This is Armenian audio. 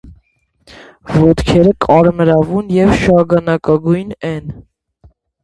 Ոտքերը կարմրավուն և շագանակագույն են։